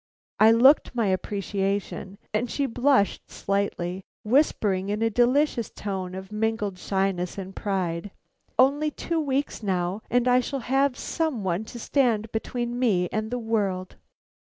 I looked my appreciation, and she, blushing slightly, whispered in a delicious tone of mingled shyness and pride: "Only two weeks now, and I shall have some one to stand between me and the world.